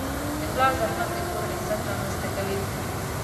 د پلار زحمت د کور عزت رامنځته کوي.